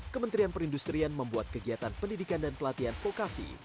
kementerian perindustrian membuat kegiatan pendidikan dan pelatihan vokasi